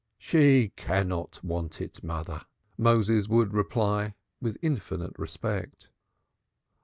"She cannot want it, mother," Moses would reply with infinite respect.